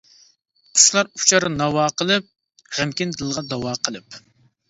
قۇشلار ئۇچار ناۋا قىلىپ، غەمكىن دىلغا داۋا قىلىپ.